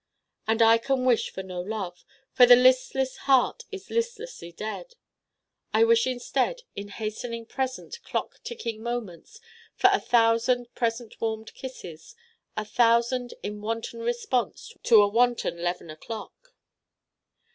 And I can wish for no Love, for the listless Heart is listlessly dead. I wish instead, in hastening present clock ticking moments, for a Thousand present warmed Kisses: a Thousand in Wanton response to a Wanton 'leven o'clock.